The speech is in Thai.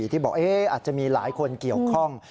ที่บอกอาจจะมีหลายคนเกี่ยวข้อง